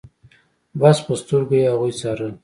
بس په سترګو يې هغوی څارل.